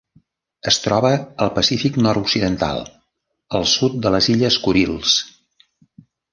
Es troba al Pacífic nord-occidental: el sud de les illes Kurils.